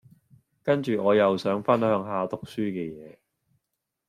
跟住我又想分享下讀書嘅嘢